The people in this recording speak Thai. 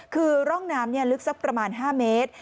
คือร่องน้ำลึกสักประมาณ๕เมตร